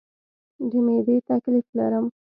د معدې تکلیف لرم